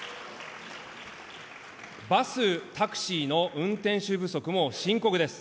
バス・タクシーの運転手不足も深刻です。